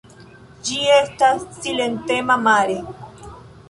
Ĝi estas silentema mare.